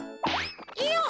いよっ！